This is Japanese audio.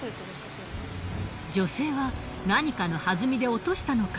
女性は何かのはずみで落としたのか？